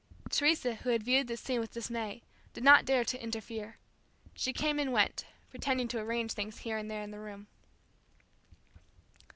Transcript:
Teresa, who had viewed this scene with dismay, did not dare to interfere. She came and went, pretending to arrange things here and there in the room.